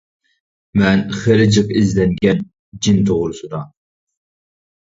مەن خېلى جىق ئىزدەنگەن جىن توغرىسىدا.